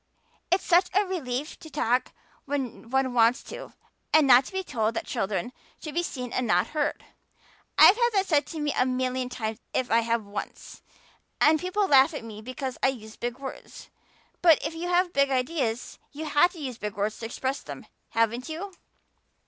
It's such a relief to talk when one wants to and not be told that children should be seen and not heard. I've had that said to me a million times if I have once. And people laugh at me because I use big words. But if you have big ideas you have to use big words to express them, haven't you?"